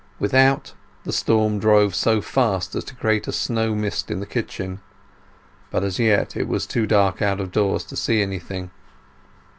Without, the storm drove so fast as to create a snow mist in the kitchen; but as yet it was too dark out of doors to see anything.